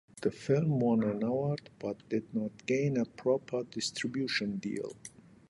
The film won an award, but did not gain a proper distribution deal.